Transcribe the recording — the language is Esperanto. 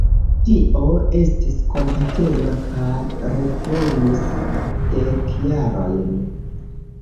Dio estis kompatema kaj reprenis dek jarojn.